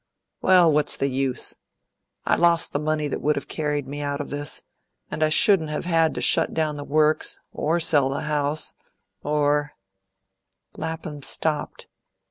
Well, what's the use? I lost the money that would have carried me out of this, and I shouldn't have had to shut down the Works, or sell the house, or " Lapham stopped.